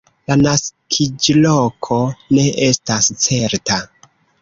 La naskiĝloko ne estas certa.